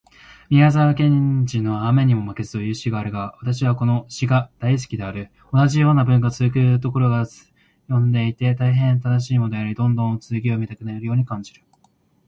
宮沢賢治のアメニモマケズという詩があるが私はこの詩が大変好きである。同じような文がつづくところが読んでいて大変楽しいものであり、どんどん続きを読みたくなるように感じる。この詩を読んでから、彼の他の作品も読んでみたいと思った。